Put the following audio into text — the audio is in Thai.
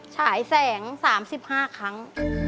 ฉายแสง๓๕ครั้ง